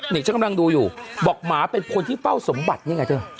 นี่ฉันกำลังดูอยู่บอกหมาเป็นคนที่เฝ้าสมบัตินี่ไงเธอ